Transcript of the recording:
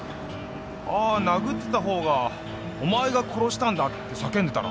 ああ殴ってた方が「お前が殺したんだ」と叫んでたな